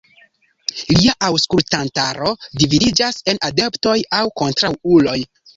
Lia aŭskultantaro dividiĝis en adeptoj aŭ kontraŭuloj.